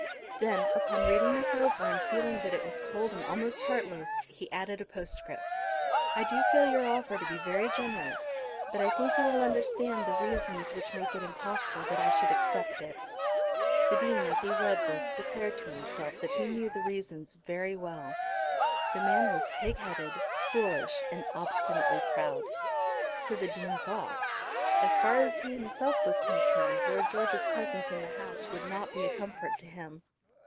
Then, upon reading this over and feeling that it was cold and almost heartless, he added a postscript. "I do feel your offer to be very generous, but I think you will understand the reasons which make it impossible that I should accept it." The Dean as he read this declared to himself that he knew the reasons very well. The reasons were not far to search. The man was pigheaded, foolish, and obstinately proud. So the Dean thought. As far as he himself was concerned Lord George's presence in the house would not be a comfort to him.